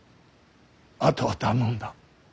あとは頼んだ。